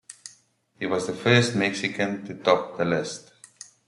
He was the first Mexican to top the list.